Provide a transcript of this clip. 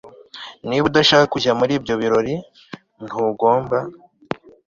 niba udashaka kujya muri ibyo birori, ntugomba